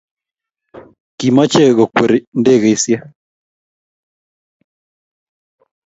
Kimache kokweri ndegeishek